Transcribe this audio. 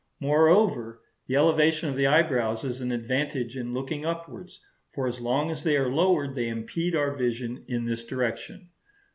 Moreover, the elevation of the eyebrows is an advantage in looking upwards; for as long as they are lowered they impede our vision in this direction.